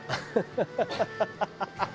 「ハハハハ！」